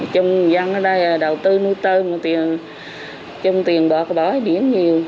chúng dân ở đây là đầu tư nuôi tơm chung tiền bọt bói biển nhiều